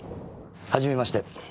はじめまして。